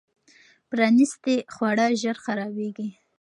پرانیستي خواړه ژر خرابېږي.